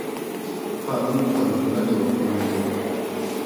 قانون پر ټولني واکمن دی.